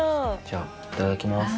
じゃあいただきます。